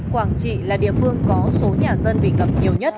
quảng trị là địa phương có số nhà dân bị ngập nhiều nhất